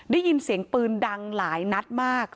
ได้ยินเสียงปืนดังหลายนัดมาก